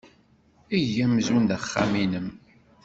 Eg amzun d axxam-nnem.